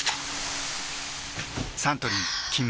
サントリー「金麦」